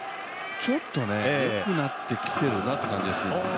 ちょっとね、よくなってきてるなという感じがしますね。